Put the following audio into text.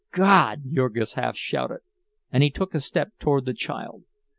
"God!" Jurgis half shouted, and he took a step toward the child.